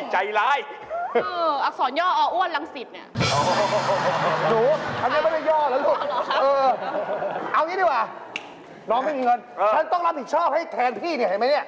ฉันต้องระผิดชอบแฟนพี่นะเห็นมั้ย